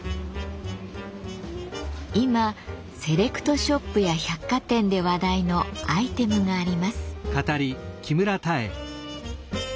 今セレクトショップや百貨店で話題のアイテムがあります。